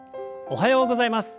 おはようございます。